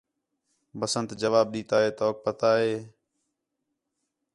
بسنت جواب ݙِتّا ہِے توک پتا ہِے